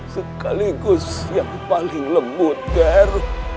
sekaligus yang paling lembut ter